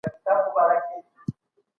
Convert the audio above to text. مړ به سم